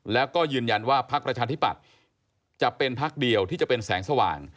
แล้วก็ยืนยันว่าพักประชาธิปัตย์จะเป็นพักเดียวที่จะเป็นแสงสว่าง